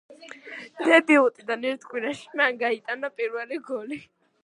დებიუტიდან ერთ კვირაში მან გაიტანა პირველი გოლი.